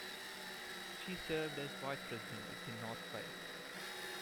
She served as vice president at The North Face.